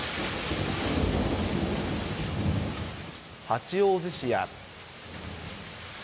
八王子市や。